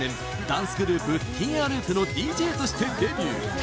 ダンスグループＴＲＦのＤＪとしてデビュー